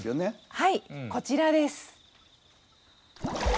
はいこちらです。